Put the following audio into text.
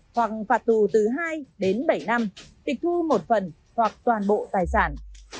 hoặc phạt tù từ hai đến bảy năm tịch thu một phần hoặc toàn bộ tài sản